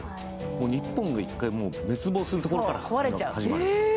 日本が一回滅亡するところから始まる。